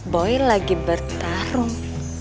boy lagi bertarung